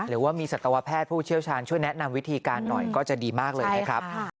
หรือว่ามีสัตวแพทย์ผู้เชี่ยวชาญช่วยแนะนำวิธีการหน่อยก็จะดีมากเลยนะครับ